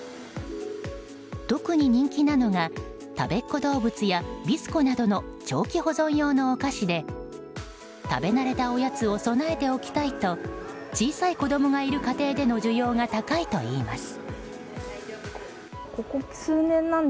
特に人気なのがたべっ子どうぶつやビスコなどの長期保存用のお菓子で食べ慣れたおやつを備えておきたいと小さい子供がいる家庭での需要が高いといいます。